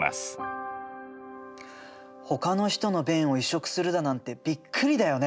ほかの人の便を移植するだなんてびっくりだよね。